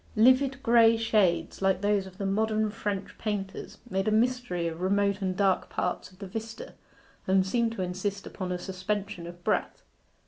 Livid grey shades, like those of the modern French painters, made a mystery of the remote and dark parts of the vista, and seemed to insist upon a suspension of breath.